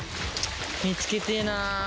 見つけてぇな。